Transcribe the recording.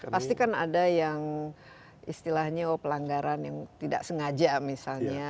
pasti kan ada yang istilahnya pelanggaran yang tidak sengaja misalnya